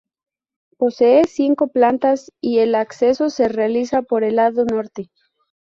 Posee cinco plantas y el acceso se realiza por el lado norte.